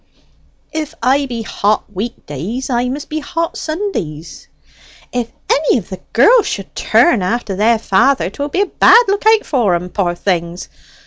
"If I be hot week days, I must be hot Sundays." "If any of the girls should turn after their father 'twill be a bad look out for 'em, poor things!